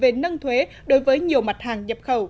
về nâng thuế đối với nhiều mạng nông nghiệp